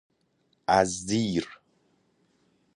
از زیر